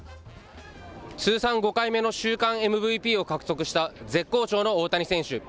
通算５回目の週間ＭＶＰを獲得した、絶好調の大谷選手。